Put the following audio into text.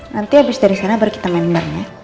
nanti abis dari sana baru kita main bareng ya